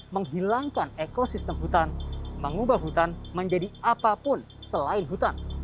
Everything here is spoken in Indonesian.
menghilangkan ekosistem hutan mengubah hutan menjadi apapun selain hutan